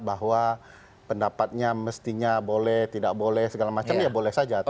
bahwa pendapatnya mestinya boleh tidak boleh segala macam ya boleh saja